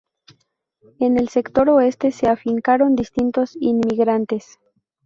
En el sector oeste se afincaron distintos inmigrantes.